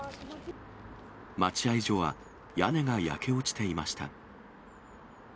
待合所は屋根が焼け落ちていました。